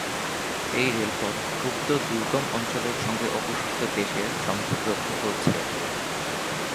এই রেলপথ উক্ত দুর্গম অঞ্চলের সঙ্গে অবশিষ্ট দেশের সংযোগ রক্ষা করছে।